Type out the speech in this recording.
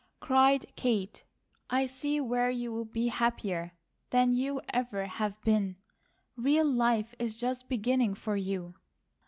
cried Kate. "I see where you will be happier than you ever have been. Real life is just beginning for you."